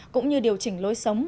cũng như điều chỉnh lối sống